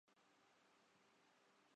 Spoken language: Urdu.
عداوت جو تھی۔